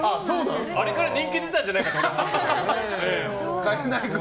あれから人気出たんじゃなかったっけ。